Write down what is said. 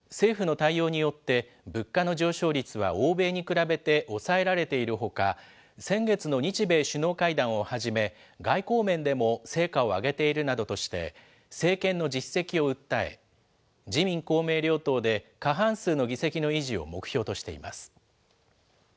与党側は、政府の対応によって、物価の上昇率は欧米に比べて抑えられているほか、先月の日米首脳会談をはじめ、外交面でも成果を上げているなどとして、政権の実績を訴え、自民、公明両党で過半数の議席の維持を目標としています。